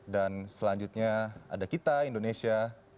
dan selanjutnya ada kita indonesia